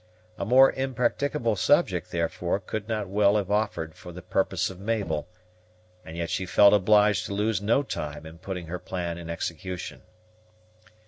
A more impracticable subject, therefore, could not well have offered for the purpose of Mabel, and yet she felt obliged to lose no time in putting her plan in execution.